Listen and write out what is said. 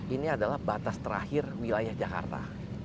ini adalah batas terakhir wilayah jakarta